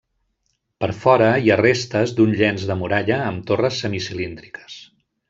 Per fora, hi ha restes d'un llenç de muralla amb torres semicilíndriques.